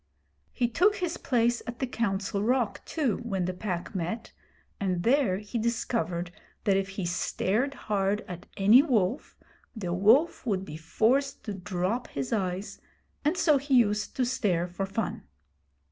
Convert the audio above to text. He took his place at the Council Rock, too, when the Pack met, and there he discovered that if he stared hard at any wolf, the wolf would be forced to drop his eyes, and so he used to stare for fun.